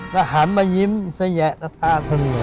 แล้วหันมายิ้มสะแยะละตา